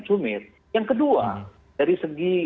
sumir yang kedua dari segi